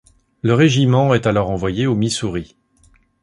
Le régiment est alors envoyé au Missouri.